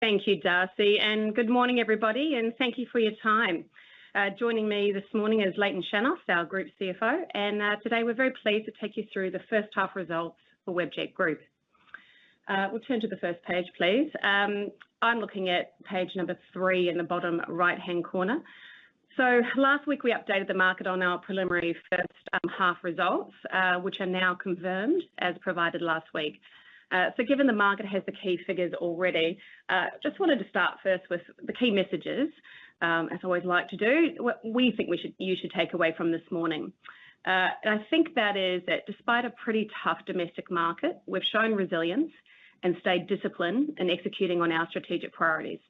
Thank you, Darcy. Good morning, everybody, and thank you for your time. Joining me this morning is Layton Shannos, our Group CFO. Today we're very pleased to take you through the first half results for Webjet Group. We'll turn to the first page, please. I'm looking at page number three in the bottom right-hand corner. Last week we updated the market on our preliminary first half results, which are now confirmed as provided last week. Given the market has the key figures already, I just wanted to start first with the key messages, as I always like to do, what we think you should take away from this morning. I think that is that despite a pretty tough domestic market, we've shown resilience and stayed disciplined in executing on our strategic priorities.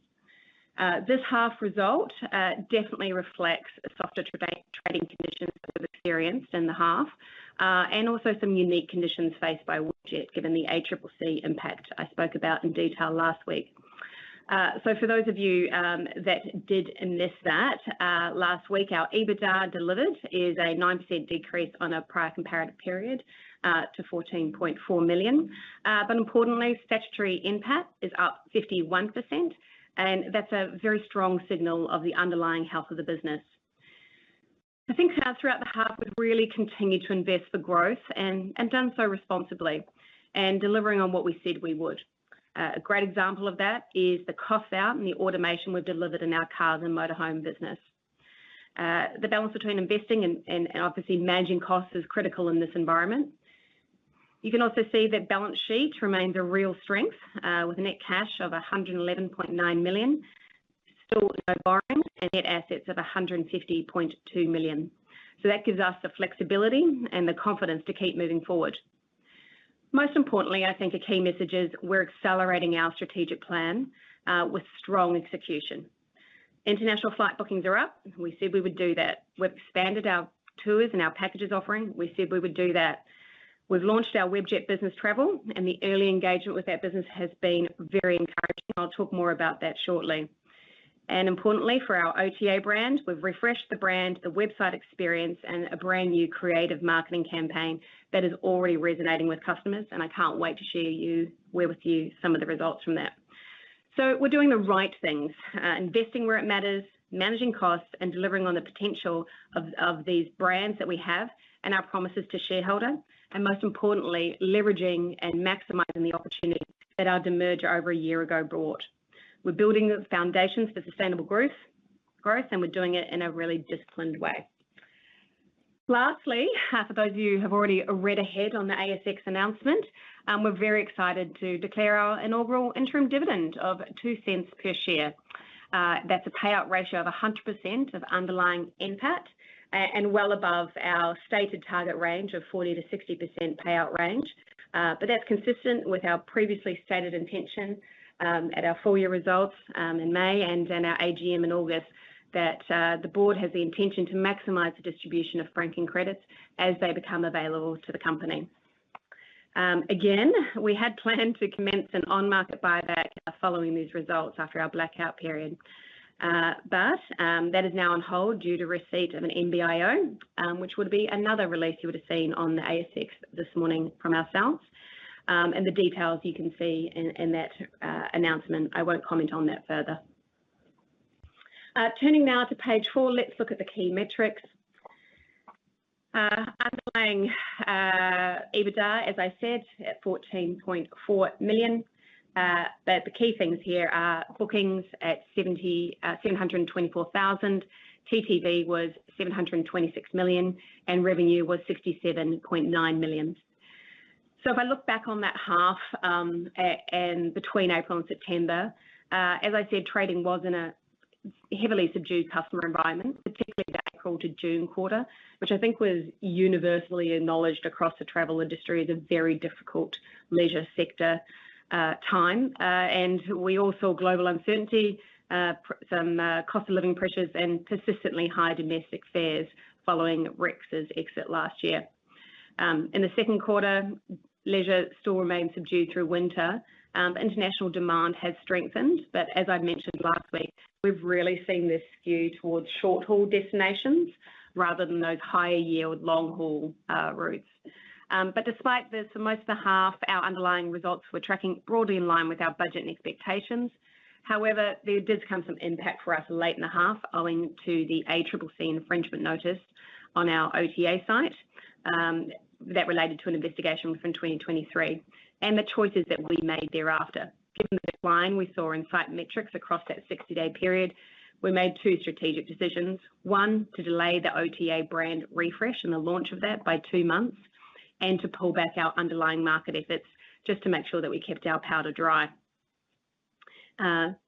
This half result definitely reflects the softer trading conditions that we've experienced in the half, and also some unique conditions faced by Webjet given the ACCC impact I spoke about in detail last week. For those of you that did miss that last week, our EBITDA delivered is a 9% decrease on a prior comparative period to 14.4 million. Importantly, statutory impact is up 51%, and that's a very strong signal of the underlying health of the business. I think throughout the half we've really continued to invest for growth and done so responsibly and delivering on what we said we would. A great example of that is the costs out and the automation we've delivered in our Cars and Motorhome business. The balance between investing and obviously managing costs is critical in this environment. You can also see that balance sheet remains a real strength with a net cash of 111.9 million, still no borrowing, and net assets of 150.2 million. That gives us the flexibility and the confidence to keep moving forward. Most importantly, I think a key message is we're accelerating our strategic plan with strong execution. International flight bookings are up. We said we would do that. We've expanded our tours and our packages offering. We said we would do that. We've launched our Webjet Business Travel, and the early engagement with that business has been very encouraging. I'll talk more about that shortly. Importantly, for our OTA brand, we've refreshed the brand, the website experience, and a brand new creative marketing campaign that is already resonating with customers. I can't wait to share with you some of the results from that. We're doing the right things: investing where it matters, managing costs, and delivering on the potential of these brands that we have and our promises to shareholders. Most importantly, leveraging and maximizing the opportunity that our demerger over a year ago brought. We're building the foundations for sustainable growth, and we're doing it in a really disciplined way. Lastly, for those of you who have already read ahead on the ASX announcement, we're very excited to declare our inaugural interim dividend of 0.02 per share. That's a payout ratio of 100% of underlying NPAT and well above our stated target range of 40%-60% payout range. That's consistent with our previously stated intention at our full-year results in May and then our AGM in August that the board has the intention to maximize the distribution of franking credits as they become available to the company. Again, we had planned to commence an on-market buyback following these results after our blackout period. That is now on hold due to receipt of an MBIO, which would be another release you would have seen on the ASX this morning from ourselves. The details you can see in that announcement, I won't comment on that further. Turning now to page four, let's look at the key metrics. Underlying EBITDA, as I said, at 14.4 million. The key things here are bookings at 724,000, TTV was 726 million, and revenue was 67.9 million. If I look back on that half and between April and September, as I said, trading was in a heavily subdued customer environment, particularly the April to June quarter, which I think was universally acknowledged across the travel industry as a very difficult leisure sector time. We all saw global uncertainty, some cost of living pressures, and persistently high domestic fares following Rex's exit last year. In the second quarter, leisure still remained subdued through winter. International demand has strengthened. As I mentioned last week, we've really seen this skew towards short-haul destinations rather than those higher yield long-haul routes. Despite this, for most of the half, our underlying results were tracking broadly in line with our budget and expectations. However, there did come some impact for us late in the half owing to the ACCC infringement notice on our OTA site that related to an investigation from 2023 and the choices that we made thereafter. Given the decline we saw in site metrics across that 60-day period, we made two strategic decisions. One, to delay the OTA brand refresh and the launch of that by two months and to pull back our underlying market efforts just to make sure that we kept our powder dry,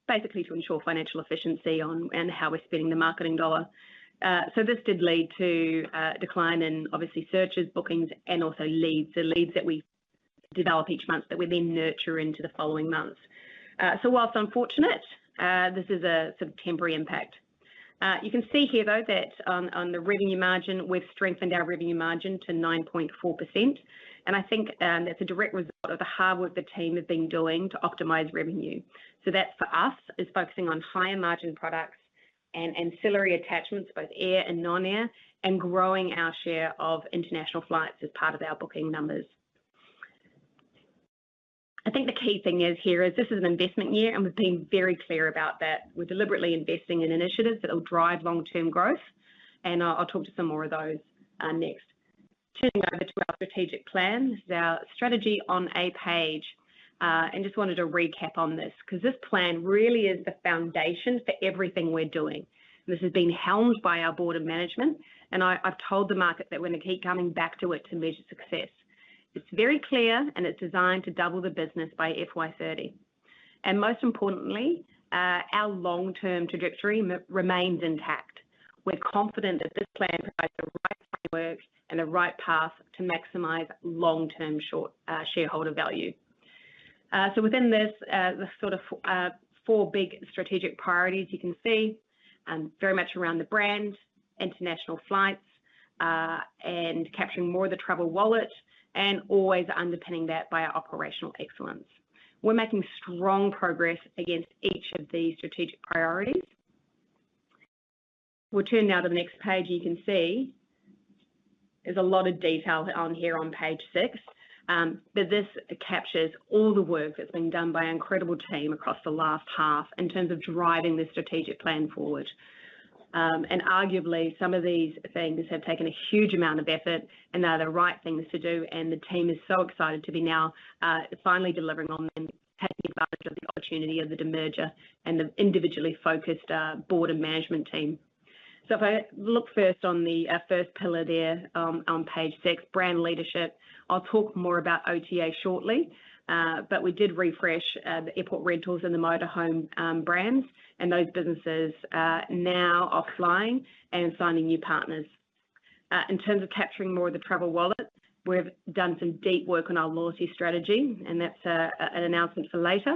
basically to ensure financial efficiency on how we're spending the marketing dollar. This did lead to a decline in obviously searches, bookings, and also leads, the leads that we develop each month that we then nurture into the following months. Whilst unfortunate, this is a sort of temporary impact. You can see here though that on the revenue margin, we've strengthened our revenue margin to 9.4%. I think that's a direct result of the hard work the team have been doing to optimize revenue. That for us is focusing on higher margin products and ancillary attachments, both air and non-air, and growing our share of international flights as part of our booking numbers. I think the key thing here is this is an investment year, and we've been very clear about that. We're deliberately investing in initiatives that will drive long-term growth. I'll talk to some more of those next. Turning over to our strategic plan, this is our strategy on a page. I just wanted to recap on this because this plan really is the foundation for everything we're doing. This has been helmed by our board of management. I've told the market that we're going to keep coming back to it to measure success. It's very clear, and it's designed to double the business by FY2030. Most importantly, our long-term trajectory remains intact. We're confident that this plan provides the right framework and the right path to maximize long-term shareholder value. Within this, the sort of four big strategic priorities you can see very much around the brand, international flights, and capturing more of the travel wallet, and always underpinning that by our operational excellence. We're making strong progress against each of these strategic priorities. We'll turn now to the next page. You can see there's a lot of detail here on page six. This captures all the work that's been done by our incredible team across the last half in terms of driving the strategic plan forward. Arguably, some of these things have taken a huge amount of effort, and they're the right things to do. The team is so excited to be now finally delivering on them, taking advantage of the opportunity of the demerger and the individually focused board and management team. If I look first on the first pillar there on page six, brand leadership, I'll talk more about OTA shortly. We did refresh the Airport Rentals and the Motorhome brands, and those businesses are now offline and finding new partners. In terms of capturing more of the travel wallet, we've done some deep work on our loyalty strategy, and that's an announcement for later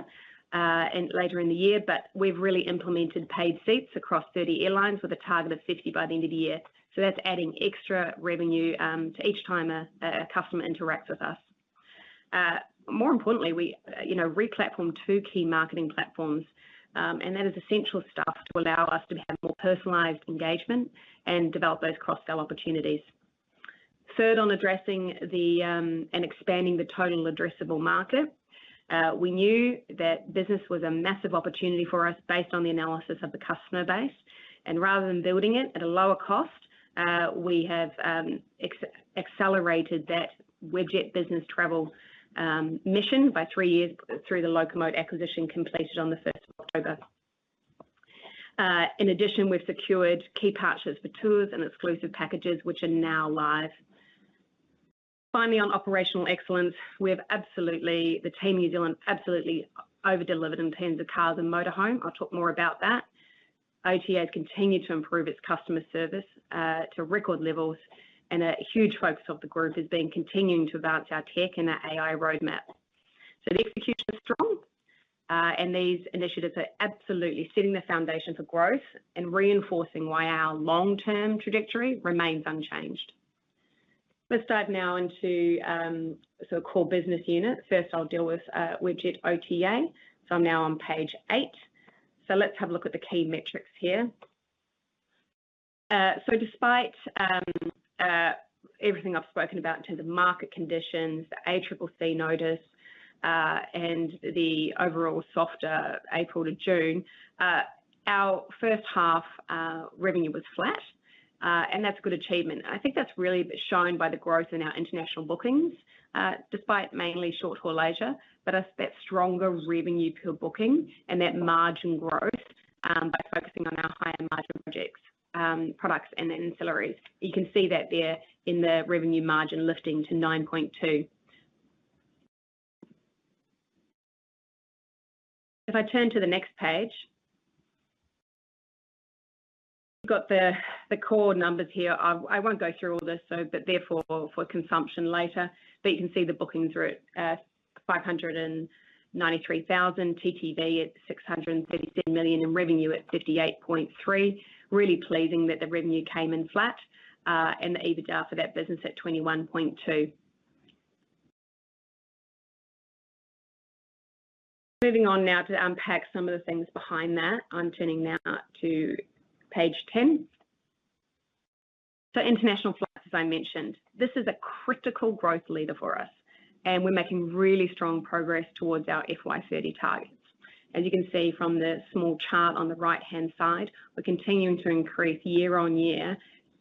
in the year. We've really implemented paid seats across 30 airlines with a target of 50 by the end of the year. That's adding extra revenue to each time a customer interacts with us. More importantly, we replatformed two key marketing platforms. That is essential stuff to allow us to have more personalized engagement and develop those cross-sell opportunities. Third, on addressing and expanding the total addressable market, we knew that business was a massive opportunity for us based on the analysis of the customer base. Rather than building it at a lower cost, we have accelerated that Webjet Business Travel mission by three years through the Locomote acquisition completed on the 1st of October. In addition, we have secured key patches for Tours and Exclusive Packages, which are now live. Finally, on operational excellence, the team in New Zealand absolutely overdelivered in terms of Cars and Motorhome. I'll talk more about that. OTA has continued to improve its customer service to record levels. A huge focus of the group is continuing to advance our tech and our AI roadmap. The execution is strong, and these initiatives are absolutely setting the foundation for growth and reinforcing why our long-term trajectory remains unchanged. Let's dive now into sort of core business unit. First, I'll deal with Webjet OTA. I'm now on page eight. Let's have a look at the key metrics here. Despite everything I've spoken about in terms of market conditions, the ACCC notice, and the overall softer April to June, our first half revenue was flat. That's a good achievement. I think that's really shown by the growth in our international bookings, despite mainly short-haul leisure. That stronger revenue per booking and that margin growth by focusing on our higher margin projects, products, and ancillaries. You can see that there in the revenue margin lifting to 9.2%. If I turn to the next page, we've got the core numbers here. I won't go through all this, but therefore for consumption later. You can see the bookings were at 593,000, TTV at 637 million, and revenue at 58.3 million. Really pleasing that the revenue came in flat and the EBITDA for that business at 21.2 million. Moving on now to unpack some of the things behind that, I'm turning now to page 10. International flights, as I mentioned, this is a critical growth leader for us. We're making really strong progress towards our FY2030 targets. As you can see from the small chart on the right-hand side, we're continuing to increase year on year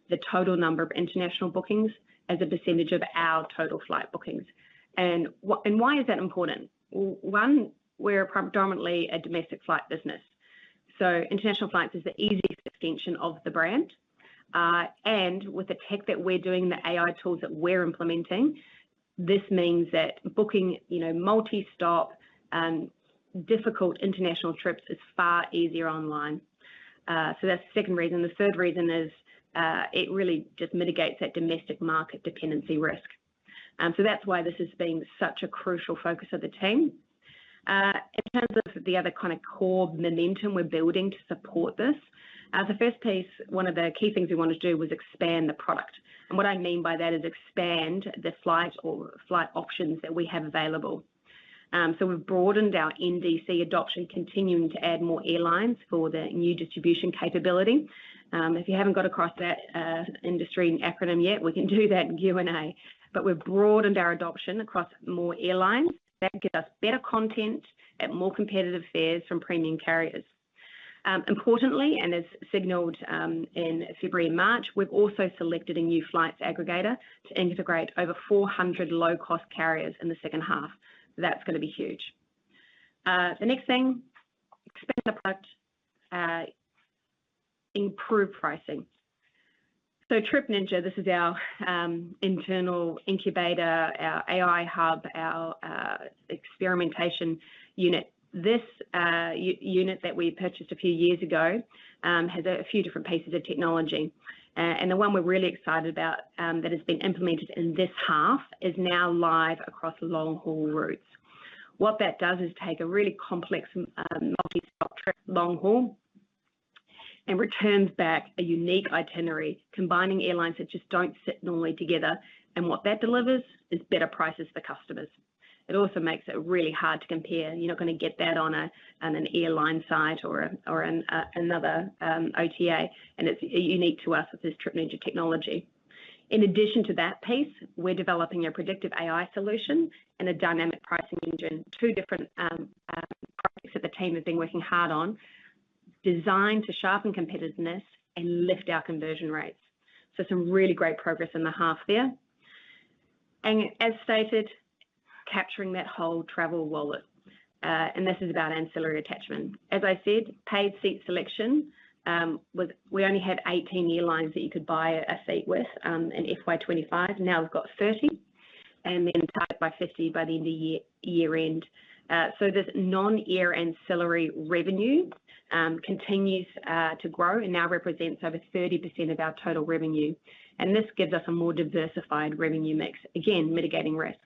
the total number of international bookings as a percentage of our total flight bookings. Why is that important? One, we're predominantly a domestic flight business. International flights is the easiest extension of the brand. With the tech that we're doing, the AI tools that we're implementing, this means that booking multi-stop difficult international trips is far easier online. That is the second reason. The third reason is it really just mitigates that domestic market dependency risk. That is why this has been such a crucial focus of the team. In terms of the other kind of core momentum we're building to support this, the first piece, one of the key things we wanted to do was expand the product. What I mean by that is expand the flight options that we have available. We have broadened our NDC adoption, continuing to add more airlines for the new distribution capability. If you have not got across that industry acronym yet, we can do that in Q&A. We have broadened our adoption across more airlines. That gives us better content at more competitive fares from premium carriers. Importantly, and as signaled in February and March, we've also selected a new flights aggregator to integrate over 400 low-cost carriers in the second half. That's going to be huge. The next thing, expand the product, improve pricing. Trip Ninja, this is our internal incubator, our AI hub, our experimentation unit. This unit that we purchased a few years ago has a few different pieces of technology. The one we're really excited about that has been implemented in this half is now live across long-haul routes. What that does is take a really complex multi-stop trip long-haul and returns back a unique itinerary combining airlines that just don't sit normally together. What that delivers is better prices for customers. It also makes it really hard to compare. You're not going to get that on an airline site or another OTA. It's unique to us with this Trip Ninja technology. In addition to that piece, we're developing a predictive AI solution and a dynamic pricing engine, two different projects that the team has been working hard on, designed to sharpen competitiveness and lift our conversion rates. Some really great progress in the half there. As stated, capturing that whole travel wallet. This is about ancillary attachment. As I said, paid seat selection. We only had 18 airlines that you could buy a seat with in FY2025. Now we've got 30 and then tied by 50 by the end of year end. This non-air ancillary revenue continues to grow and now represents over 30% of our total revenue. This gives us a more diversified revenue mix, again, mitigating risk.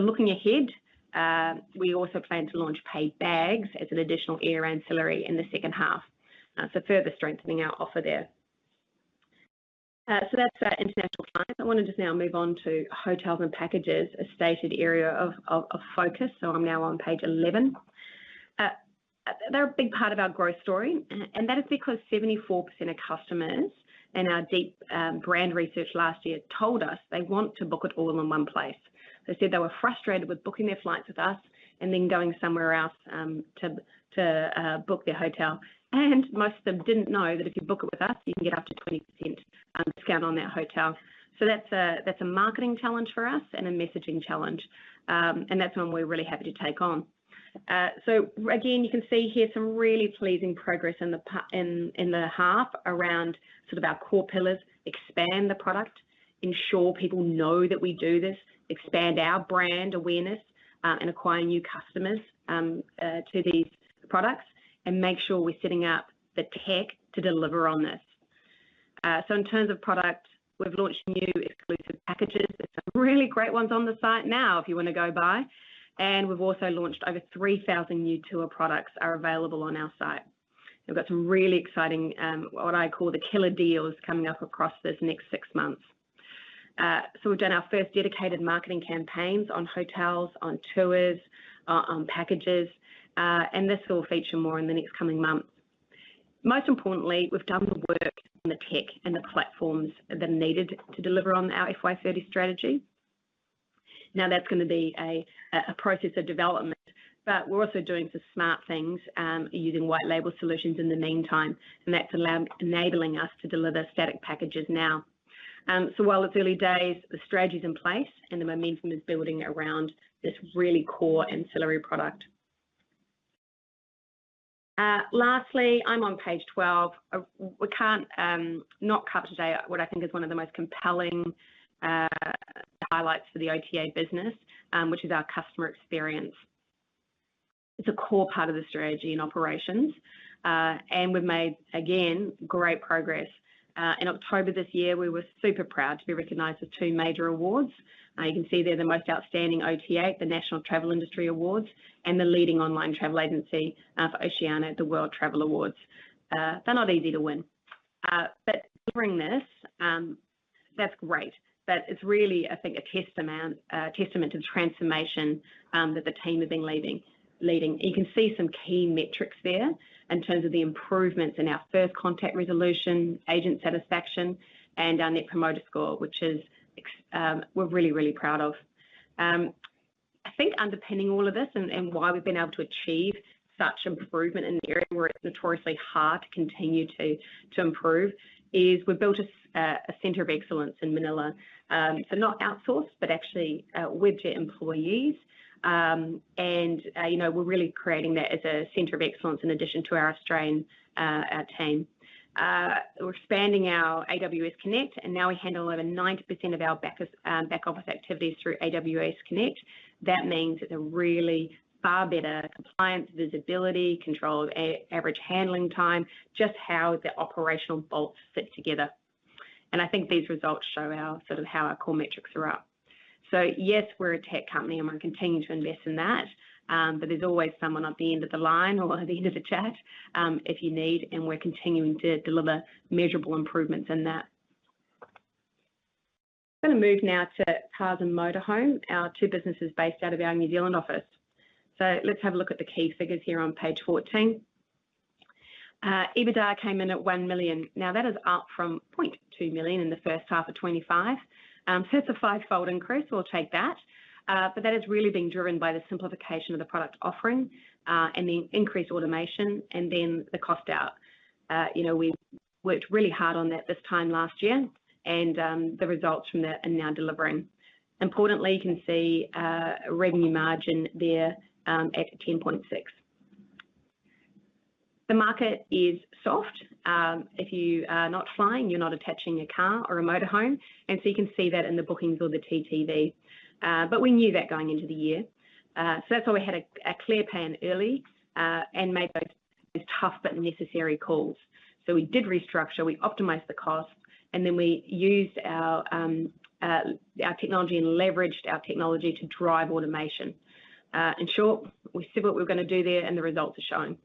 Looking ahead, we also plan to launch paid bags as an additional air ancillary in the second half, further strengthening our offer there. That's international flights. I want to just now move on to hotels and packages, a stated area of focus. I'm now on page 11. They're a big part of our growth story, and that is because 74% of customers in our deep brand research last year told us they want to book it all in one place. They said they were frustrated with booking their flights with us and then going somewhere else to book their hotel. Most of them didn't know that if you book it with us, you can get up to 20% discount on that hotel. That's a marketing challenge for us and a messaging challenge, and that's one we're really happy to take on. Again, you can see here some really pleasing progress in the half around sort of our core pillars, expand the product, ensure people know that we do this, expand our brand awareness and acquire new customers to these products, and make sure we're setting up the tech to deliver on this. In terms of product, we've launched new exclusive packages. There are some really great ones on the site now if you want to go buy. We've also launched over 3,000 new tour products that are available on our site. We've got some really exciting, what I call the killer deals coming up across this next six months. We've done our first dedicated marketing campaigns on hotels, on tours, on packages. This will feature more in the next coming months. Most importantly, we've done the work and the tech and the platforms that are needed to deliver on our FY2030 strategy. Now, that's going to be a process of development. We are also doing some smart things using white label solutions in the meantime. That's enabling us to deliver static packages now. While it's early days, the strategy is in place and the momentum is building around this really core ancillary product. Lastly, I'm on page 12. We can't not cover today what I think is one of the most compelling highlights for the OTA business, which is our customer experience. It's a core part of the strategy and operations. We've made, again, great progress. In October this year, we were super proud to be recognized with two major awards. You can see there the Most Outstanding OTA, the National Travel Industry Awards, and the Leading Online Travel Agency for Oceania at the World Travel Awards. They're not easy to win. During this, that's great. It is really, I think, a testament to the transformation that the team have been leading. You can see some key metrics there in terms of the improvements in our first contact resolution, agent satisfaction, and our net promoter score, which we're really, really proud of. I think underpinning all of this and why we've been able to achieve such improvement in the area where it's notoriously hard to continue to improve is we've built a center of excellence in Manila. Not outsourced, but actually Webjet employees. We're really creating that as a center of excellence in addition to our Australian team. We're expanding our AWS Connect. We handle over 90% of our back office activities through AWS Connect. That means it's a really far better compliance, visibility, control, average handling time, just how the operational bolts fit together. I think these results show sort of how our core metrics are up. Yes, we're a tech company and we're continuing to invest in that. There is always someone at the end of the line or at the end of the chat if you need. We're continuing to deliver measurable improvements in that. I'm going to move now to Cars and Motorhome, our two businesses based out of our New Zealand office. Let's have a look at the key figures here on page 14. EBITDA came in at 1 million. That is up from 0.2 million in the first half of 2025. It's a five-fold increase. We'll take that. That has really been driven by the simplification of the product offering and the increased automation and then the cost out. We worked really hard on that this time last year. The results from that are now delivering. Importantly, you can see revenue margin there at 10.6%. The market is soft. If you are not flying, you are not attaching your Car or a Motorhome. You can see that in the bookings or the TTV. We knew that going into the year. That is why we had a clear plan early and made those tough but necessary calls. We did restructure. We optimized the cost. We used our technology and leveraged our technology to drive automation. In short, we said what we were going to do there and the results are shown.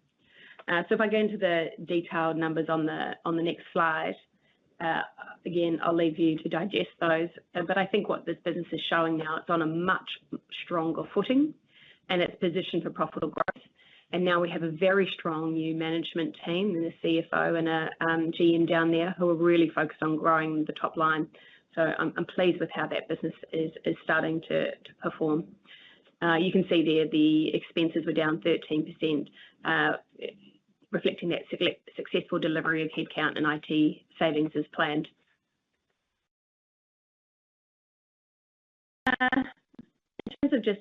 If I go into the detailed numbers on the next slide, again, I'll leave you to digest those. I think what this business is showing now, it's on a much stronger footing and it's positioned for profitable growth. Now we have a very strong new management team and a CFO and a GM down there who are really focused on growing the top line. I'm pleased with how that business is starting to perform. You can see there the expenses were down 13%, reflecting that successful delivery of headcount and IT savings as planned. In terms of just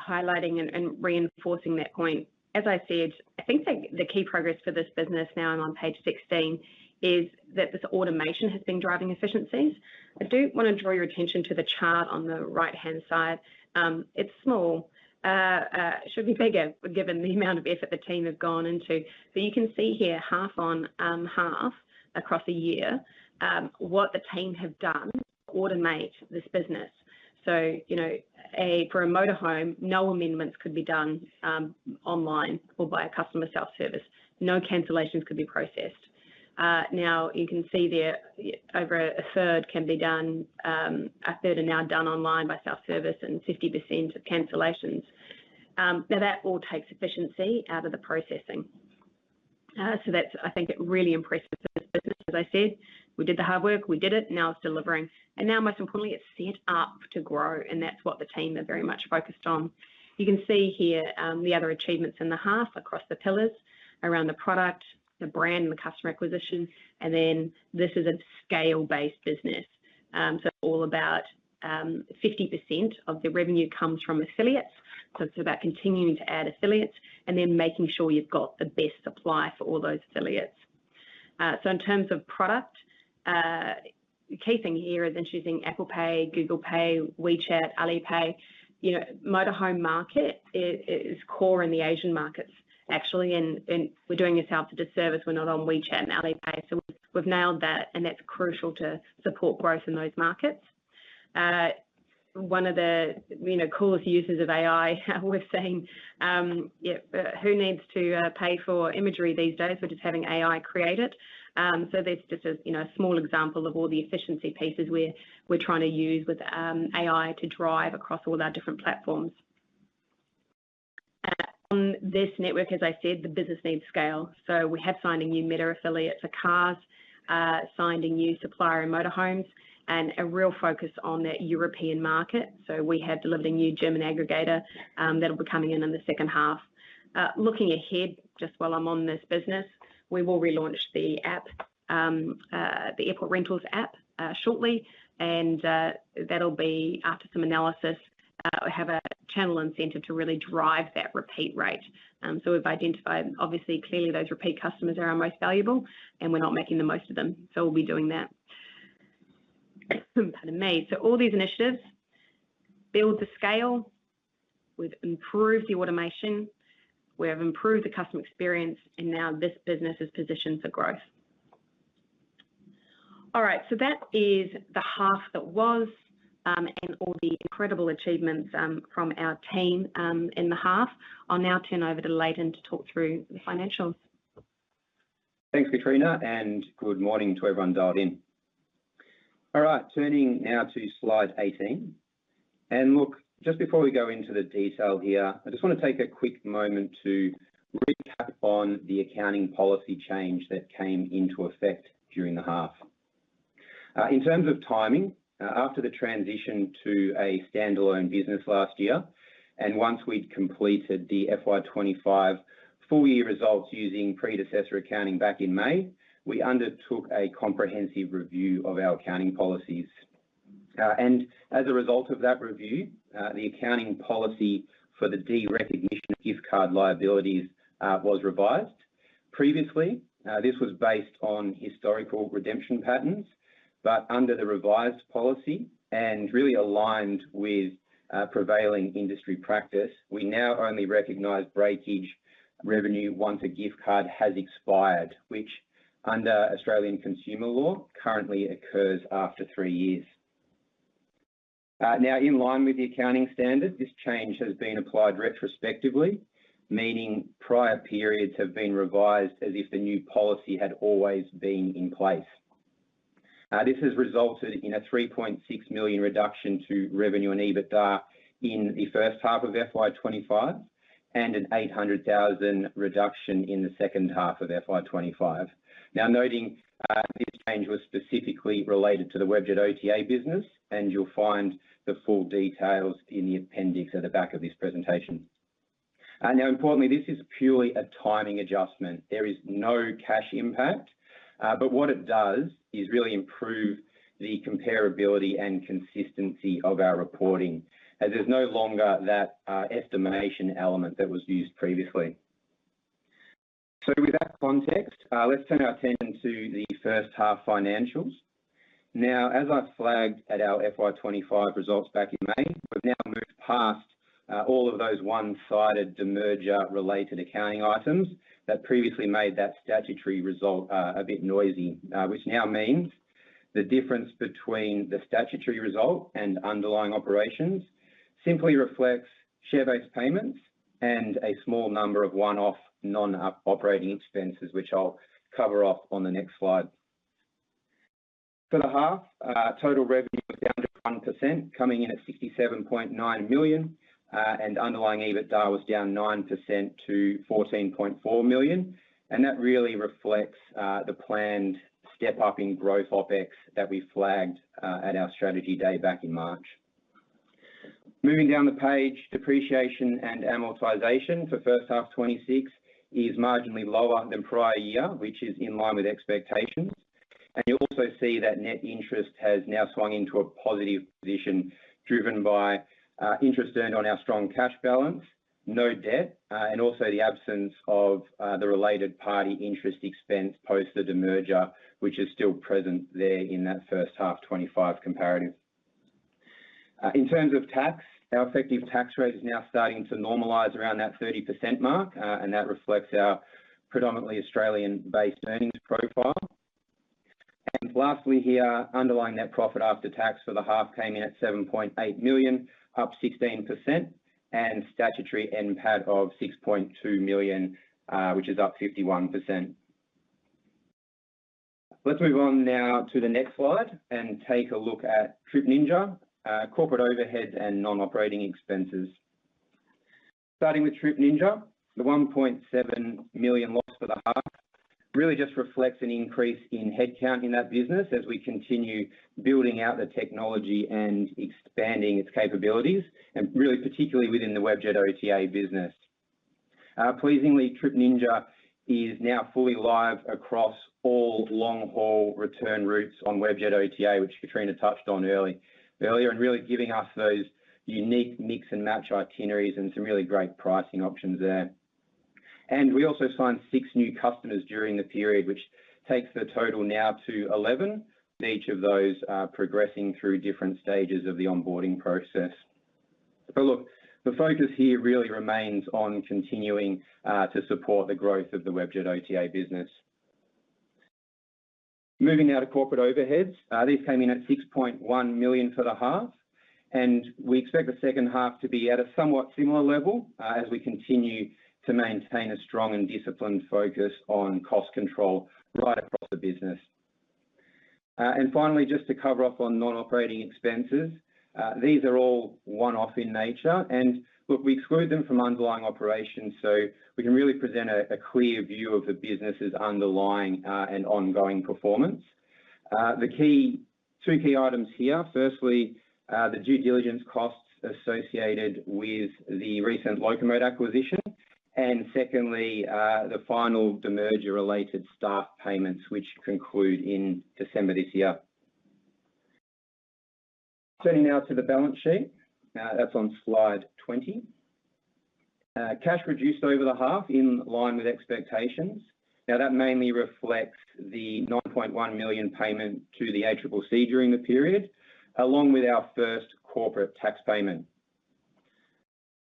highlighting and reinforcing that point, as I said, I think the key progress for this business now, I'm on page 16, is that this automation has been driving efficiencies. I do want to draw your attention to the chart on the right-hand side. It's small. It should be bigger given the amount of effort the team has gone into. You can see here half on half across a year what the team have done to automate this business. For a Motorhome, no amendments could be done online or by a customer self-service. No cancellations could be processed. Now, you can see there over a third can be done. A third are now done online by self-service and 50% of cancellations. That all takes efficiency out of the processing. I think it really impresses this business, as I said. We did the hard work. We did it. Now it's delivering. Most importantly, it's set up to grow. That's what the team are very much focused on. You can see here the other achievements in the half across the pillars around the product, the brand, and the customer acquisition. This is a scale-based business. All about 50% of the revenue comes from affiliates. It is about continuing to add affiliates and then making sure you have the best supply for all those affiliates. In terms of product, the key thing here is introducing Apple Pay, Google Pay, WeChat, Alipay. The Motorhome market is core in the Asian markets, actually. We are doing ourselves a disservice. We are not on WeChat and Alipay. We have nailed that, and that is crucial to support growth in those markets. One of the coolest uses of AI, we are saying, "Who needs to pay for imagery these days? We are just having AI create it." This is just a small example of all the efficiency pieces we are trying to use with AI to drive across all our different platforms. On this network, as I said, the business needs scale. We have signed a new meta affiliate for Cars, signed a new supplier in Motorhomes, and a real focus on that European market. We have delivered a new German aggregator that'll be coming in in the second half. Looking ahead, just while I'm on this business, we will relaunch the Airport Rentals app shortly. That'll be after some analysis. We have a channel incentive to really drive that repeat rate. We've identified, obviously, clearly those repeat customers are our most valuable, and we're not making the most of them. We'll be doing that. Pardon me. All these initiatives build the scale. We've improved the automation. We have improved the customer experience. Now this business is positioned for growth. All right. That is the half that was and all the incredible achievements from our team in the half. I'll now turn over to Layton to talk through the financials. Thanks, Katrina. And good morning to everyone dialed in. All right. Turning now to slide 18. Just before we go into the detail here, I just want to take a quick moment to recap on the accounting policy change that came into effect during the half. In terms of timing, after the transition to a standalone business last year, and once we'd completed the FY2025 full-year results using predecessor accounting back in May, we undertook a comprehensive review of our accounting policies. As a result of that review, the accounting policy for the derecognition of gift card liabilities was revised. Previously, this was based on historical redemption patterns. Under the revised policy and really aligned with prevailing industry practice, we now only recognize breakage revenue once a gift card has expired, which under Australian consumer law currently occurs after three years. In line with the accounting standard, this change has been applied retrospectively, meaning prior periods have been revised as if the new policy had always been in place. This has resulted in an 3.6 million reduction to revenue and EBITDA in the first half of FY2025 and an 800,000 reduction in the second half of FY2025. Noting this change was specifically related to the Webjet OTA business, and you'll find the full details in the appendix at the back of this presentation. Importantly, this is purely a timing adjustment. There is no cash impact. What it does is really improve the comparability and consistency of our reporting. There's no longer that estimation element that was used previously. With that context, let's turn our attention to the first half financials. Now, as I flagged at our FY2025 results back in May, we've now moved past all of those one-sided demerger-related accounting items that previously made that statutory result a bit noisy, which now means the difference between the statutory result and underlying operations simply reflects share-based payments and a small number of one-off non-operating expenses, which I'll cover off on the next slide. For the half, total revenue was down 1%, coming in at 67.9 million. Underlying EBITDA was down 9% to 14.4 million. That really reflects the planned step-up in growth opex that we flagged at our strategy day back in March. Moving down the page, depreciation and amortization for first half 2026 is marginally lower than prior year, which is in line with expectations. You'll also see that net interest has now swung into a positive position driven by interest earned on our strong cash balance, no debt, and also the absence of the related party interest expense post the demerger, which is still present there in that first half 2025 comparative. In terms of tax, our effective tax rate is now starting to normalize around that 30% mark. That reflects our predominantly Australian-based earnings profile. Lastly here, underlying net profit after tax for the half came in at 7.8 million, up 16%, and statutory NPAT of 6.2 million, which is up 51%. Let's move on now to the next slide and take a look at Trip Ninja, corporate overheads and non-operating expenses. Starting with Trip Ninja, the 1.7 million loss for the half really just reflects an increase in headcount in that business as we continue building out the technology and expanding its capabilities, and really particularly within the Webjet OTA business. Pleasingly, Trip Ninja is now fully live across all long-haul return routes on Webjet OTA, which Katrina touched on earlier, and really giving us those unique mix-and-match itineraries and some really great pricing options there. We also signed six new customers during the period, which takes the total now to 11, each of those progressing through different stages of the onboarding process. The focus here really remains on continuing to support the growth of the Webjet OTA business. Moving now to corporate overheads. These came in at 6.1 million for the half. We expect the second half to be at a somewhat similar level as we continue to maintain a strong and disciplined focus on cost control right across the business. Finally, just to cover off on non-operating expenses, these are all one-off in nature. We exclude them from underlying operations so we can really present a clear view of the business's underlying and ongoing performance. The two key items here, firstly, the due diligence costs associated with the recent Locomote acquisition. Secondly, the final demerger-related staff payments, which conclude in December this year. Turning now to the balance sheet. That is on slide 20. Cash reduced over the half in line with expectations. That mainly reflects the 9.1 million payment to the ACCC during the period, along with our first corporate tax payment.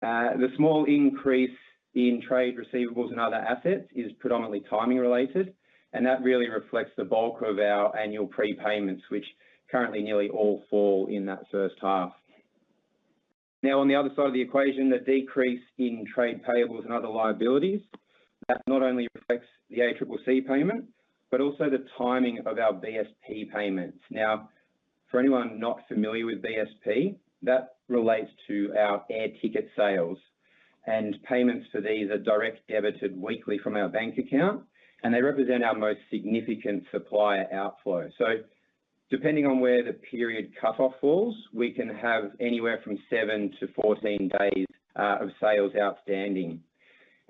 The small increase in trade receivables and other assets is predominantly timing-related. That really reflects the bulk of our annual prepayments, which currently nearly all fall in that first half. On the other side of the equation, the decrease in trade payables and other liabilities not only reflects the ACCC payment, but also the timing of our BSP payments. For anyone not familiar with BSP, that relates to our air ticket sales. Payments for these are direct debited weekly from our bank account. They represent our most significant supplier outflow. Depending on where the period cutoff falls, we can have anywhere from 7-14 days of sales outstanding.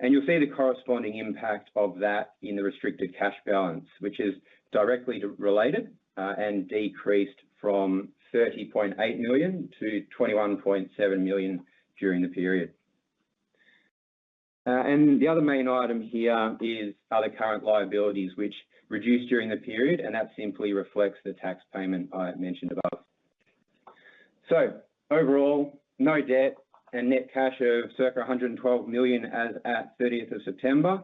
You will see the corresponding impact of that in the restricted cash balance, which is directly related and decreased from 30.8 million to 21.7 million during the period. The other main item here is other current liabilities, which reduced during the period. That simply reflects the tax payment I mentioned above. Overall, no debt and net cash of 112 million as at 30th of September.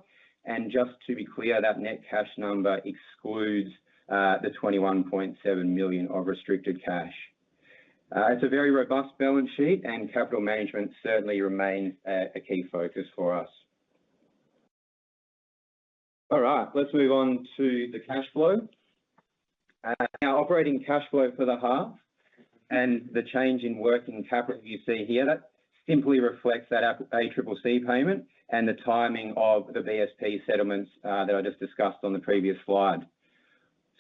Just to be clear, that net cash number excludes the 21.7 million of restricted cash. It is a very robust balance sheet. Capital management certainly remains a key focus for us. All right. Let's move on to the cash flow. Now, operating cash flow for the half and the change in working capital you see here simply reflects that ACCC payment and the timing of the BSP settlements that I just discussed on the previous slide.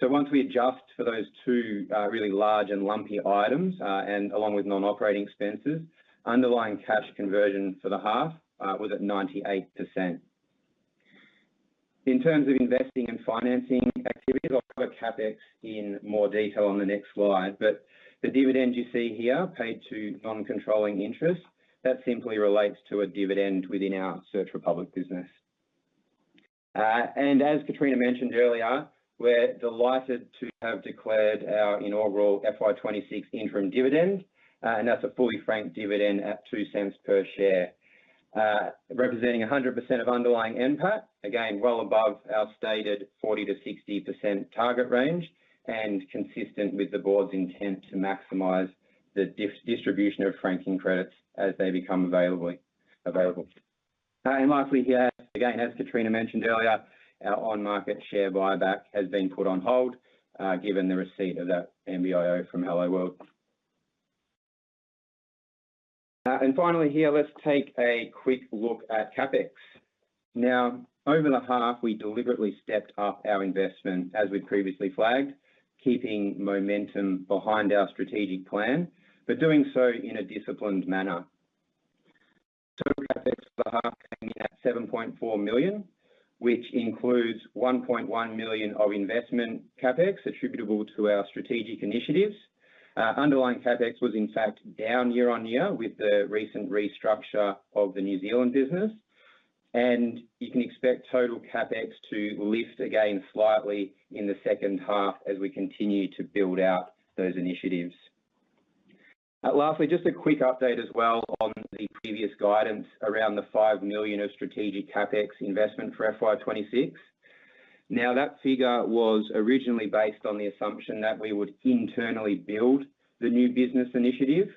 Once we adjust for those two really large and lumpy items, and along with non-operating expenses, underlying cash conversion for the half was at 98%. In terms of investing and financing activities, I'll cover CapEx in more detail on the next slide. The dividend you see here, paid to non-controlling interest, simply relates to a dividend within our search for public business. As Katrina mentioned earlier, we're delighted to have declared our inaugural FY2026 interim dividend. That is a fully franked dividend at 0.02 per share, representing 100% of underlying NPAT, again, well above our stated 40%-60% target range and consistent with the board's intent to maximize the distribution of franking credits as they become available. Lastly here, as Katrina mentioned earlier, our on-market share buyback has been put on hold given the receipt of that MBIO from Helloworld. Finally here, let's take a quick look at CapEx. Over the half, we deliberately stepped up our investment as we'd previously flagged, keeping momentum behind our strategic plan, but doing so in a disciplined manner. Total CapEx for the half came in at 7.4 million, which includes 1.1 million of investment CapEx attributable to our strategic initiatives. Underlying CapEx was, in fact, down year on year with the recent restructure of the New Zealand business. You can expect total CapEx to lift again slightly in the second half as we continue to build out those initiatives. Lastly, just a quick update as well on the previous guidance around the 5 million of strategic CapEx investment for FY2026. That figure was originally based on the assumption that we would internally build the new business initiative.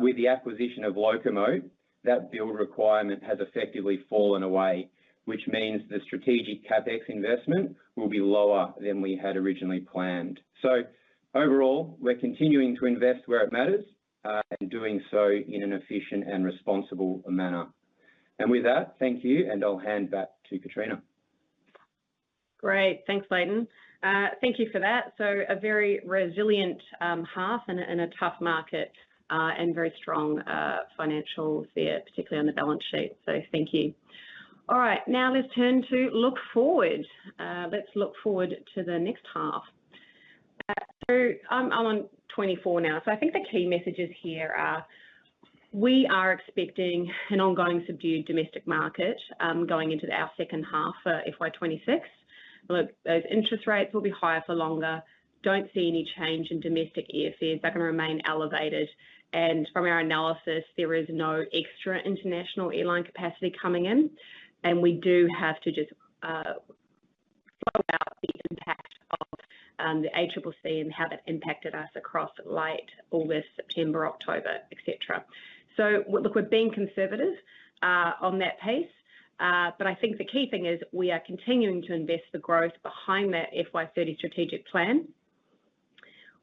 With the acquisition of Locomote, that build requirement has effectively fallen away, which means the strategic CapEx investment will be lower than we had originally planned. Overall, we're continuing to invest where it matters and doing so in an efficient and responsible manner. Thank you. I'll hand back to Katrina. Great. Thanks, Layton. Thank you for that. A very resilient half in a tough market and very strong financials there, particularly on the balance sheet. Thank you. All right. Now, let's turn to look forward. Let's look forward to the next half. I'm on 24 now. I think the key messages here are we are expecting an ongoing subdued domestic market going into our second half for FY2026. Those interest rates will be higher for longer. Don't see any change in domestic airfares. That's going to remain elevated. From our analysis, there is no extra international airline capacity coming in. We do have to just flow out the impact of the ACCC and how that impacted us across late August, September, October, etc. We're being conservative on that pace. I think the key thing is we are continuing to invest the growth behind that FY2030 strategic plan.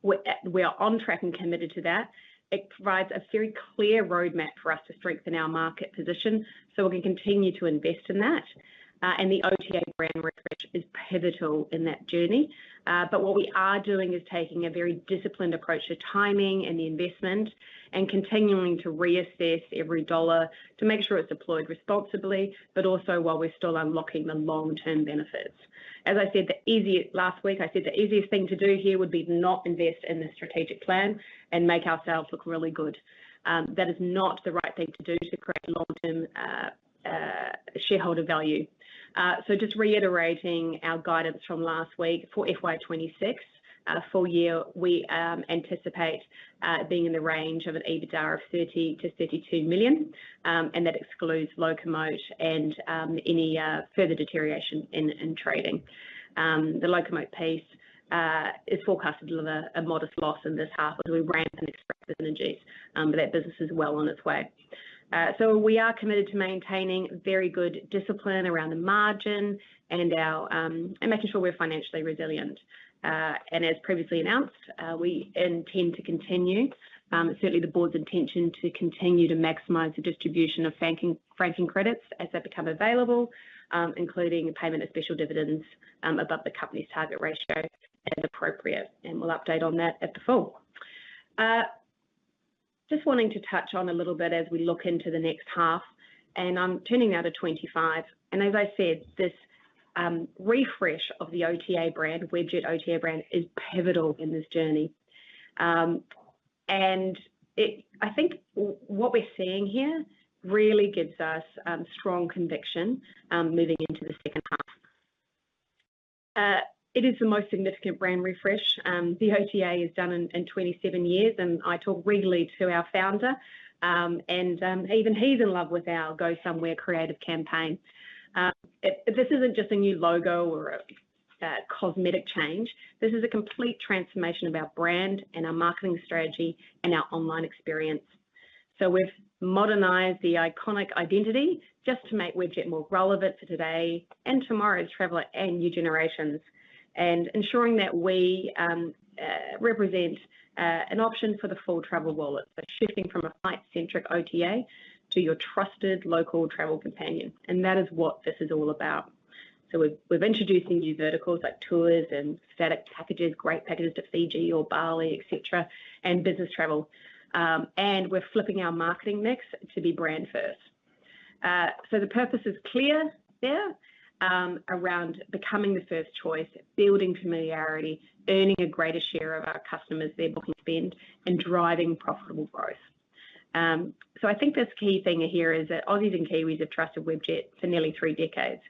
We are on track and committed to that. It provides a very clear roadmap for us to strengthen our market position so we can continue to invest in that. The OTA brand research is pivotal in that journey. What we are doing is taking a very disciplined approach to timing and the investment and continuing to reassess every dollar to make sure it's deployed responsibly, but also while we're still unlocking the long-term benefits. As I said last week, I said the easiest thing to do here would be not invest in the strategic plan and make ourselves look really good. That is not the right thing to do to create long-term shareholder value. Just reiterating our guidance from last week for FY2026, full year, we anticipate being in the range of an EBITDA of 30 million-32 million. That excludes Locomote and any further deterioration in trading. The Locomote piece is forecast to deliver a modest loss in this half as we ramp and expect the energies. That business is well on its way. We are committed to maintaining very good discipline around the margin and making sure we're financially resilient. As previously announced, we intend to continue, certainly the board's intention to continue to maximize the distribution of franking credits as they become available, including payment of special dividends above the company's target ratio as appropriate. We'll update on that at the full. Just wanting to touch on a little bit as we look into the next half. I'm turning now to 2025. As I said, this refresh of the OTA brand, Webjet OTA brand, is pivotal in this journey. I think what we're seeing here really gives us strong conviction moving into the second half. It is the most significant brand refresh the OTA has done in 27 years. I talk regularly to our founder, and even he's in love with our Go Somewhere creative campaign. This isn't just a new logo or a cosmetic change. This is a complete transformation of our brand and our marketing strategy and our online experience. We have modernized the iconic identity just to make Webjet more relevant for today and tomorrow's traveler and new generations, and ensuring that we represent an option for the full travel wallet, shifting from a flight-centric OTA to your trusted local travel companion. That is what this is all about. We're introducing new verticals like tours and static packages, great packages to Fiji or Bali, etc., and business travel. We're flipping our marketing mix to be brand first. The purpose is clear there around becoming the first choice, building familiarity, earning a greater share of our customers' booking spend, and driving profitable growth. I think this key thing here is that Aussies and Kiwis have trusted Webjet for nearly three decades.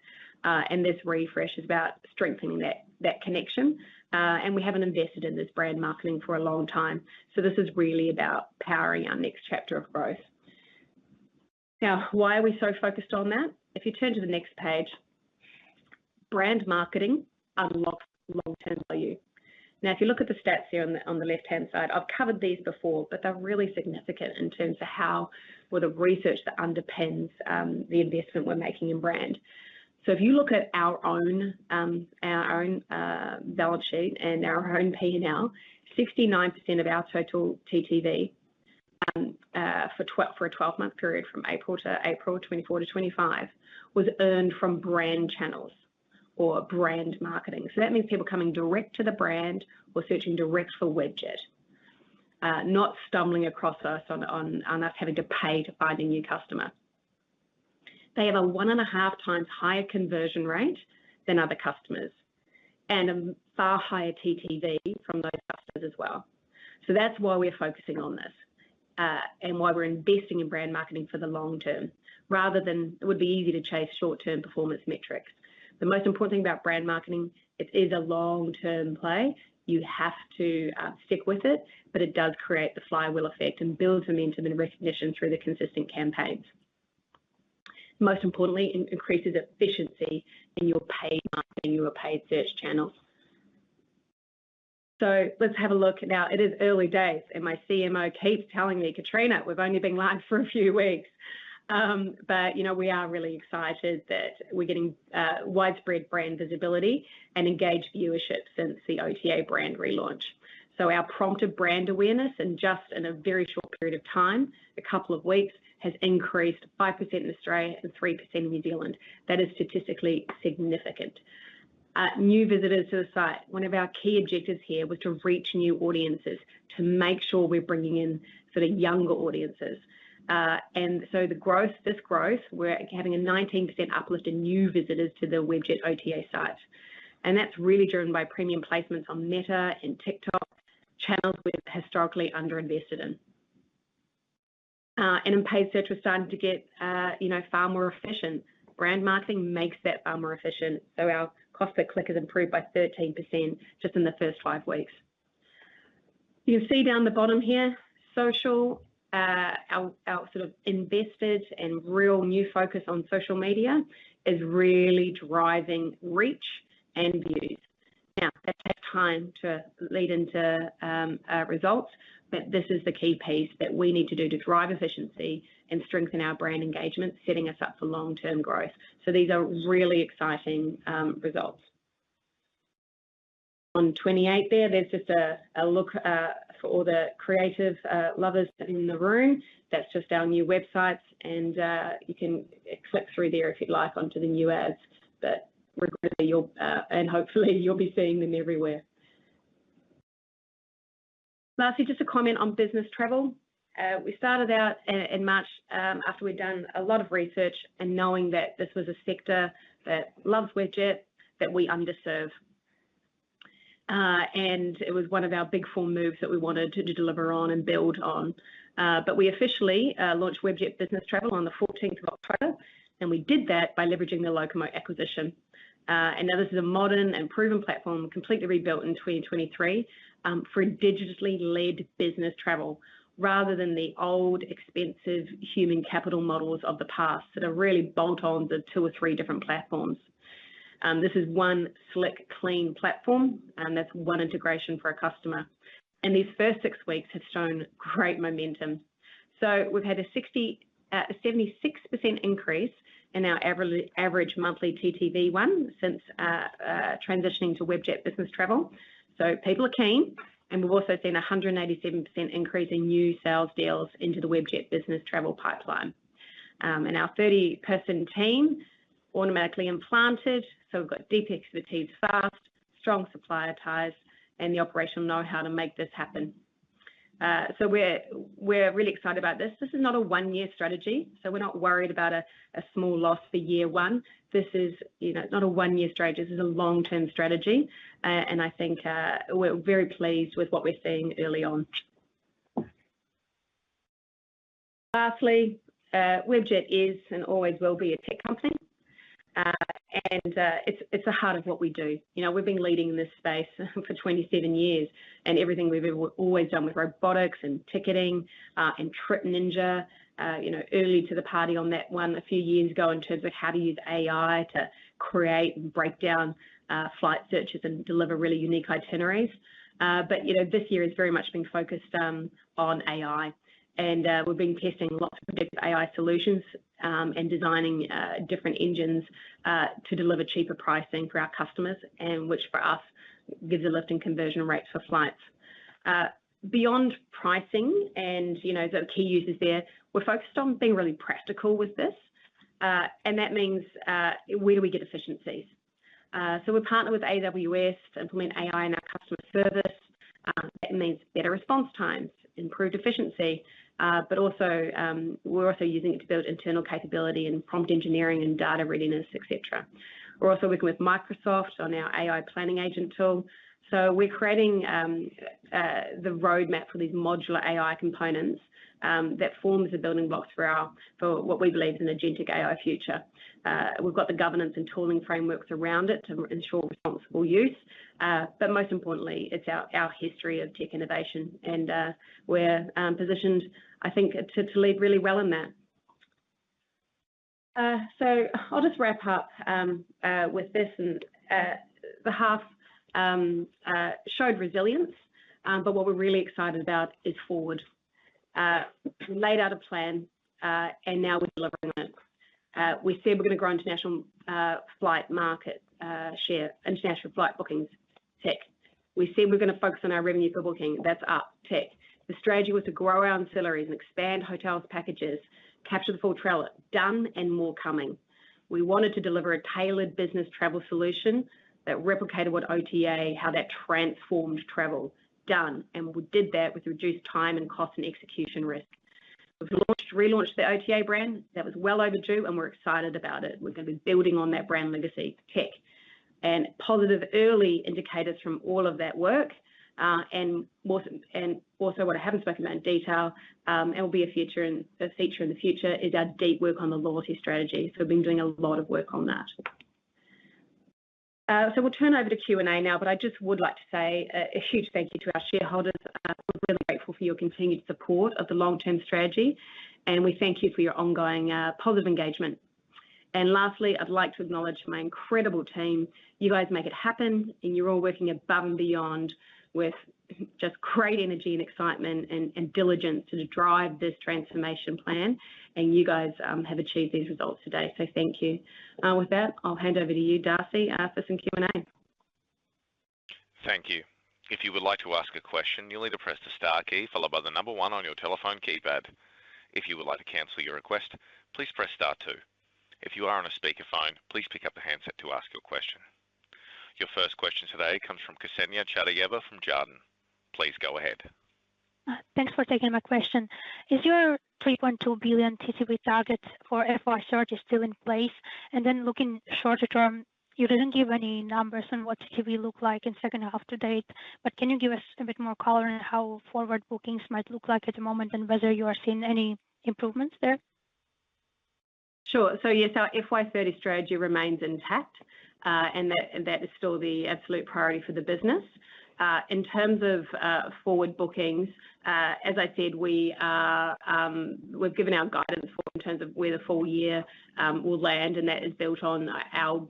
This refresh is about strengthening that connection. We haven't invested in this brand marketing for a long time. This is really about powering our next chapter of growth. Now, why are we so focused on that? If you turn to the next page, brand marketing unlocks long-term value. Now, if you look at the stats here on the left-hand side, I've covered these before, but they're really significant in terms of how the research that underpins the investment we're making in brand. If you look at our own balance sheet and our own P&L, 69% of our total TTV for a 12-month period from April to April 2024 to 2025 was earned from brand channels or brand marketing. That means people coming direct to the brand or searching direct for Webjet, not stumbling across us or us having to pay to find a new customer. They have a one and a half times higher conversion rate than other customers and a far higher TTV from those customers as well. That's why we're focusing on this and why we're investing in brand marketing for the long term, rather than it would be easy to chase short-term performance metrics. The most important thing about brand marketing, it is a long-term play. You have to stick with it, but it does create the flywheel effect and build momentum and recognition through the consistent campaigns. Most importantly, it increases efficiency in your paid marketing, your paid search channels. Let's have a look now. It is early days. My CMO keeps telling me, "Katrina, we've only been live for a few weeks." We are really excited that we're getting widespread brand visibility and engaged viewership since the OTA brand relaunch. Our prompted brand awareness in just a very short period of time, a couple of weeks, has increased 5% in Australia and 3% in New Zealand. That is statistically significant. New visitors to the site. One of our key objectives here was to reach new audiences to make sure we're bringing in sort of younger audiences. This growth, we're having a 19% uplift in new visitors to the Webjet OTA site. That's really driven by premium placements on Meta and TikTok, channels we've historically underinvested in. In paid search, we're starting to get far more efficient. Brand marketing makes that far more efficient. Our cost per click has improved by 13% just in the first five weeks. You can see down the bottom here, social, our sort of invested and real new focus on social media is really driving reach and views. Now, that takes time to lead into results, but this is the key piece that we need to do to drive efficiency and strengthen our brand engagement, setting us up for long-term growth. These are really exciting results. On 28 there, there's just a look for all the creative lovers in the room. That's just our new websites. You can click through there if you'd like onto the new ads. Hopefully, you'll be seeing them everywhere. Lastly, just a comment on business travel. We started out in March after we'd done a lot of research and knowing that this was a sector that loves Webjet that we underserve. It was one of our big four moves that we wanted to deliver on and build on. We officially launched Webjet Business Travel on the 14th of October. We did that by leveraging the Locomote acquisition. This is a modern and proven platform, completely rebuilt in 2023 for digitally led business travel, rather than the old expensive human capital models of the past that are really bolt-ons of two or three different platforms. This is one slick, clean platform, and that's one integration for a customer. These first six weeks have shown great momentum. We have had a 76% increase in our average monthly TTV since transitioning to Webjet Business Travel. People are keen. We have also seen a 187% increase in new sales deals into the Webjet Business Travel pipeline. Our 30-person team automatically implanted. We have deep expertise, fast, strong supplier ties, and the operational know-how to make this happen. We are really excited about this. This is not a one-year strategy. We are not worried about a small loss for year one. This is not a one-year strategy. This is a long-term strategy. I think we're very pleased with what we're seeing early on. Lastly, Webjet is and always will be a tech company. It is the heart of what we do. We've been leading in this space for 27 years. Everything we've always done with robotics and ticketing and Trip Ninja, early to the party on that one a few years ago in terms of how to use AI to create and break down flight searches and deliver really unique itineraries. This year has very much been focused on AI. We've been testing lots of AI solutions and designing different engines to deliver cheaper pricing for our customers, which for us gives a lift in conversion rates for flights. Beyond pricing and the key users there, we're focused on being really practical with this. That means where do we get efficiencies? We partner with AWS to implement AI in our customer service. That means better response times, improved efficiency. We are also using it to build internal capability and prompt engineering and data readiness, etc. We are also working with Microsoft on our AI planning agent tool. We are creating the roadmap for these modular AI components that forms a building block for what we believe is an agentic AI future. We have the governance and tooling frameworks around it to ensure responsible use. Most importantly, it is our history of tech innovation. We are positioned, I think, to lead really well in that. I will just wrap up with this. The half showed resilience. What we are really excited about is forward. We laid out a plan, and now we are delivering it. We said we're going to grow international flight market share, international flight bookings tech. We said we're going to focus on our revenue per booking. That's up tech. The strategy was to grow our ancillaries and expand hotels packages, capture the full travel. Done and more coming. We wanted to deliver a tailored business travel solution that replicated what OTA, how that transformed travel. Done. We did that with reduced time and cost and execution risk. We've relaunched the OTA brand. That was well overdue, and we're excited about it. We're going to be building on that brand legacy tech. Positive early indicators from all of that work. Also what I haven't spoken about in detail, and will be a feature in the future, is our deep work on the loyalty strategy. We've been doing a lot of work on that. We'll turn over to Q&A now. I just would like to say a huge thank you to our shareholders. We're really grateful for your continued support of the long-term strategy. We thank you for your ongoing positive engagement. Lastly, I'd like to acknowledge my incredible team. You guys make it happen. You're all working above and beyond with just great energy and excitement and diligence to drive this transformation plan. You guys have achieved these results today. Thank you. With that, I'll hand over to you, Darcy, for some Q&A. Thank you. If you would like to ask a question, you'll need to press the star key followed by the number one on your telephone keypad. If you would like to cancel your request, please press star two. If you are on a speakerphone, please pick up the handset to ask your question. Your first question today comes from Kseniya Chadayeva from Jarden. Please go ahead. Thanks for taking my question. Is your 3.2 billion TTV target for FY surge still in place? Looking shorter term, you did not give any numbers on what TTV looked like in second half to date. Can you give us a bit more color on how forward bookings might look like at the moment and whether you are seeing any improvements there? Sure. Yes, our FY 2030 strategy remains intact. That is still the absolute priority for the business. In terms of forward bookings, as I said, we have given our guidance in terms of where the full year will land. That is built on our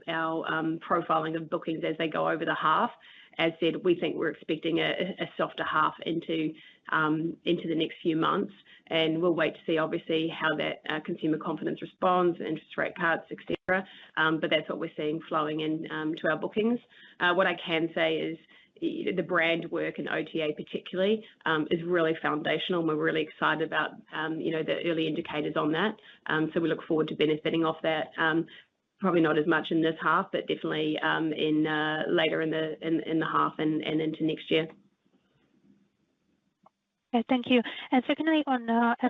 profiling of bookings as they go over the half. As said, we think we are expecting a softer half into the next few months. We will wait to see, obviously, how that consumer confidence responds, interest rate cuts, etc. That is what we are seeing flowing into our bookings. What I can say is the brand work and OTA particularly is really foundational. We are really excited about the early indicators on that. We look forward to benefiting off that, probably not as much in this half, but definitely later in the half and into next year. Thank you. Secondly, on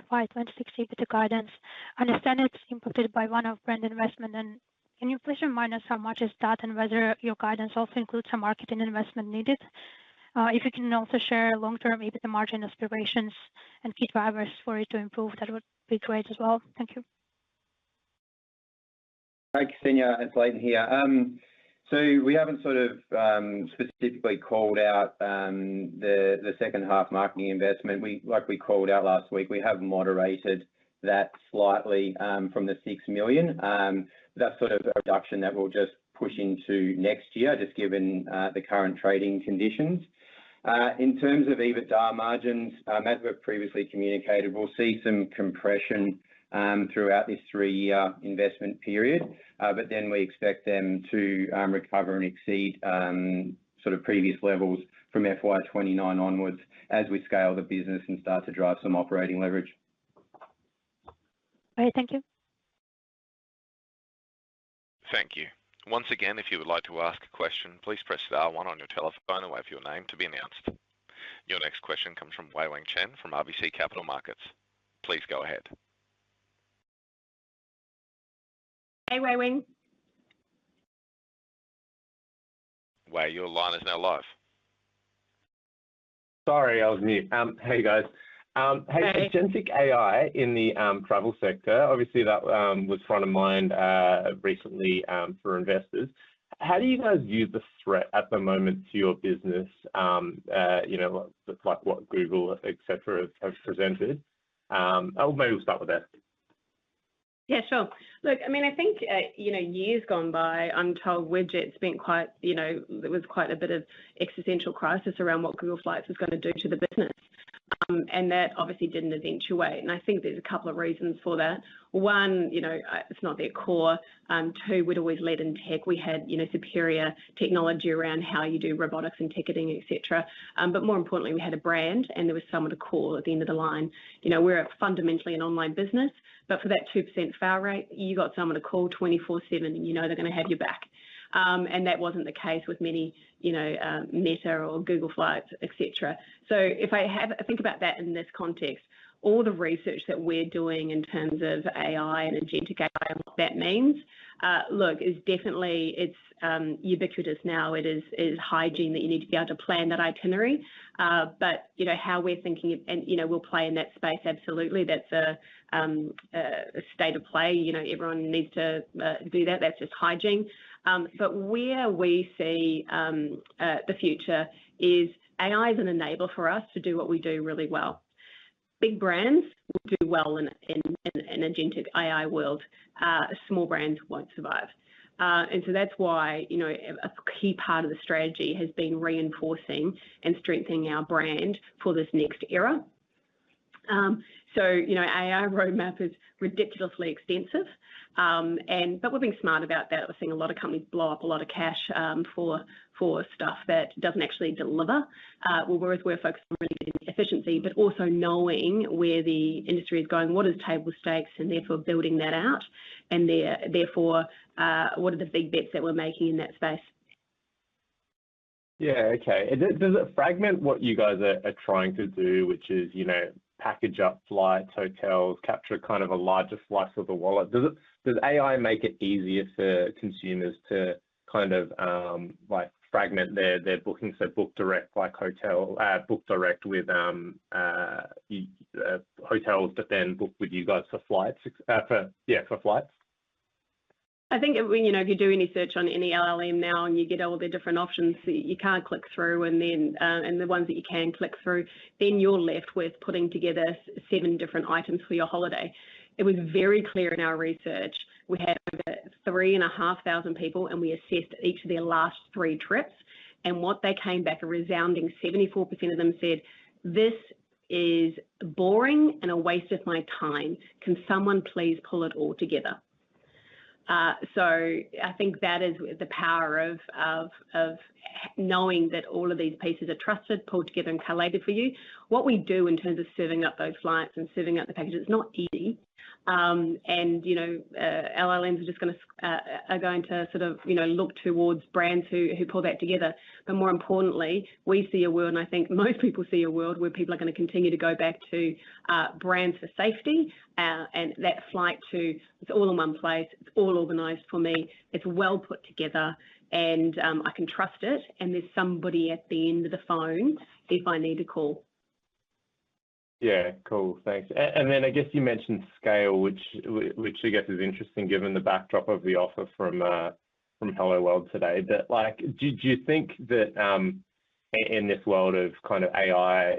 FY 2016, with the guidance, I understand it's impacted by one-off brand investment. Can you please remind us how much is that and whether your guidance also includes some marketing investment needed? If you can also share long-term EBITDA margin aspirations and key drivers for it to improve, that would be great as well. Thank you. Hi, Kseniya. I'm Layton here. We haven't sort of specifically called out the second half marketing investment. Like we called out last week, we have moderated that slightly from the 6 million. That's sort of a reduction that we'll just push into next year, just given the current trading conditions. In terms of EBITDA margins, as we've previously communicated, we'll see some compression throughout this three-year investment period. We expect them to recover and exceed sort of previous levels from FY 2029 onwards as we scale the business and start to drive some operating leverage. All right. Thank you. Thank you. Once again, if you would like to ask a question, please press star one on your telephone or wave your name to be announced. Your next question comes from Wei-Weng Chen from RBC Capital Markets. Please go ahead. Hey, Wei-Weng. Wei-Weng, your line is now live. Sorry, I was mute. Hey, guys. Hey, agentic AI in the Travel sector, obviously, that was front of mind recently for investors. How do you guys view the threat at the moment to your business, like what Google, etc., have presented? Or maybe we'll start with that. Yeah, sure. Look, I mean, I think years gone by, I'm told Webjet's been quite, there was quite a bit of existential crisis around what Google Flights was going to do to the business. That obviously didn't eventuate. I think there's a couple of reasons for that. One, it's not their core. Two, we'd always led in tech. We had superior technology around how you do robotics and ticketing, etc. More importantly, we had a brand, and there was someone to call at the end of the line. We're fundamentally an online business. For that 2% fare rate, you got someone to call 24/7, and you know they're going to have your back. That wasn't the case with many Meta or Google Flights, etc. If I think about that in this context, all the research that we're doing in terms of AI and agentic AI and what that means, look, is definitely ubiquitous now. It is hygiene that you need to be able to plan that itinerary. How we're thinking and we'll play in that space, absolutely. That's a state of play. Everyone needs to do that. That's just hygiene. Where we see the future is AI is an enabler for us to do what we do really well. Big brands will do well in an agentic AI world. Small brands won't survive. That's why a key part of the strategy has been reinforcing and strengthening our brand for this next era. Our roadmap is ridiculously extensive. We're being smart about that. We're seeing a lot of companies blow up a lot of cash for stuff that doesn't actually deliver. We're focused on really getting efficiency, but also knowing where the industry is going, what are the table stakes, and therefore building that out. Therefore, what are the big bets that we're making in that space? Yeah, okay. Does it fragment what you guys are trying to do, which is package up flights, hotels, capture kind of a larger slice of the wallet? Does AI make it easier for consumers to kind of fragment their bookings, so book direct with hotels, but then book with you guys for flights? Yeah, for flights? I think if you do any search on any LLM now and you get all the different options, you can't click through. The ones that you can click through, then you're left with putting together seven different items for your holiday. It was very clear in our research. We had three and a half thousand people, and we assessed each of their last three trips. What they came back, a resounding 74% of them said, "This is boring and a waste of my time. Can someone please pull it all together?" I think that is the power of knowing that all of these pieces are trusted, pulled together, and collated for you. What we do in terms of serving up those flights and serving up the packages, it's not easy. LLMs are just going to sort of look towards brands who pull that together. More importantly, we see a world, and I think most people see a world where people are going to continue to go back to brands for safety. That flight to, it's all in one place. It's all organized for me. It's well put together. I can trust it. There's somebody at the end of the phone if I need to call. Yeah, cool. Thanks. I guess you mentioned scale, which I guess is interesting given the backdrop of the offer from Helloworld today. Do you think that in this world of kind of AI,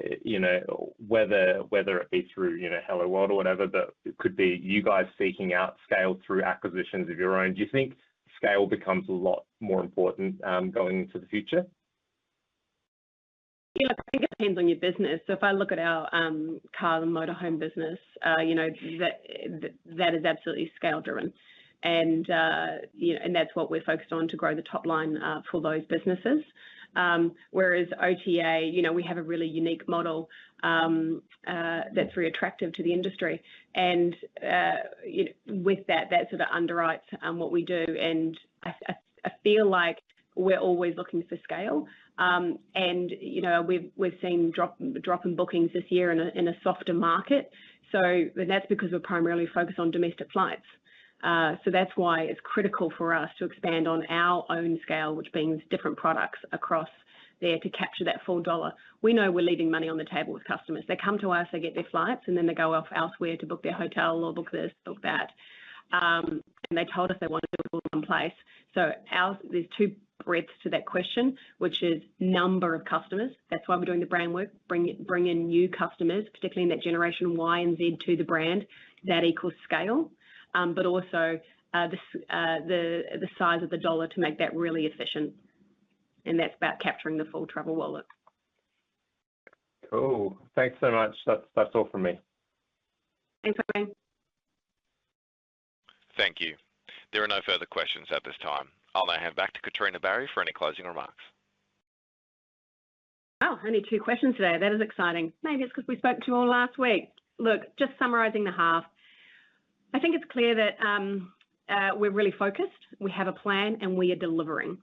whether it be through Helloworld or whatever, but it could be you guys seeking out scale through acquisitions of your own, do you think scale becomes a lot more important going into the future? I think it depends on your business. If I look at our Car and Motorhome business, that is absolutely scale-driven. That is what we're focused on to grow the top line for those businesses. Whereas OTA, we have a really unique model that's very attractive to the industry. With that, that sort of underwrites what we do. I feel like we're always looking for scale. We've seen drop in bookings this year in a softer market. That is because we're primarily focused on domestic flights. That is why it's critical for us to expand on our own scale, which means different products across there to capture that full dollar. We know we're leaving money on the table with customers. They come to us, they get their flights, and then they go off elsewhere to book their hotel or book this, book that. They told us they wanted to do it all in one place. There are two breadths to that question, which is number of customers. That's why we're doing the brand work. Bring in new customers, particularly in that generation Y and Z to the brand. That equals scale. Also the size of the dollar to make that really efficient. That's about capturing the full travel wallet. Cool. Thanks so much. That's all from me. Thanks, Wei-Weng. Thank you. There are no further questions at this time. I'll now hand back to Katrina Barry for any closing remarks. Oh, only two questions today. That is exciting. Maybe it's because we spoke to you all last week. Look, just summarizing the half, I think it's clear that we're really focused. We have a plan, and we are delivering.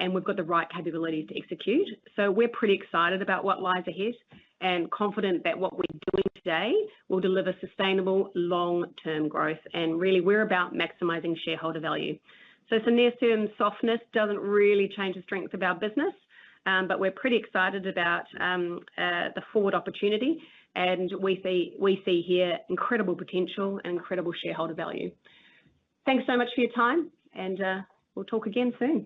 We've got the right capabilities to execute. We're pretty excited about what lies ahead and confident that what we're doing today will deliver sustainable long-term growth. We're about maximizing shareholder value. Some near-term softness doesn't really change the strength of our business. We're pretty excited about the forward opportunity. We see here incredible potential and incredible shareholder value. Thanks so much for your time. We'll talk again soon.